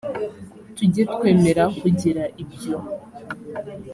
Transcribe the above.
tujye twemera kugira ibyo